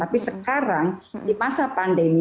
tapi sekarang di masa pandemi